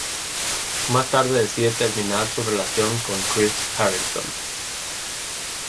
Más tarde decide terminar su relación con Chris Harrington.